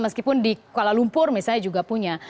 meskipun di kuala lumpur misalnya juga punya